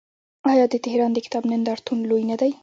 آیا د تهران د کتاب نندارتون لوی نه دی؟